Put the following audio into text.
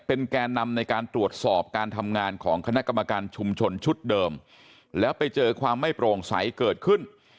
เป็นแก่นำในการตรวจสอบการทำงานของคณะกรรมการชุมชนชุดเดิมแล้วไปเจอความไม่โปร่งใสเกิดขึ้น